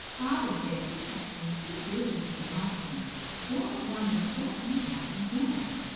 Father said he had been too busy to be lonesome. Dora wondered what he had been doing.